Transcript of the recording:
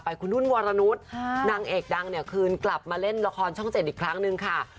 คุณนุ่นวรนุษย์นางเอกดังเนี่ยคืนกลับมาเล่นละครช่อง๗อีกครั้งหนึ่งค่ะ